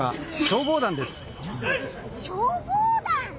消防団？